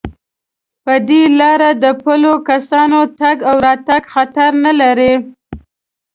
په دې لارو د پلو کسانو تگ او راتگ خطر نه لري.